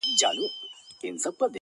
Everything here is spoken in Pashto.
تا منلی راته جام وي د سرو لبو,